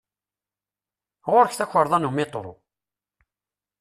Ɣur-k takarḍa n umitṛu?